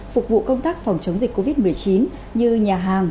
phục vụ công tác phòng chống dịch covid một mươi chín như nhà hàng